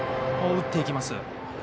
打っていきます。